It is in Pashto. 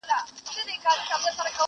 چي امیر خلک له ځانه وه شړلي!!